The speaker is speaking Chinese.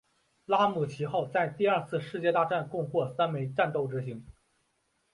拉姆齐号在第二次世界大战共获三枚战斗之星。